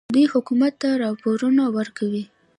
دوی حکومت ته راپورونه ورکوي.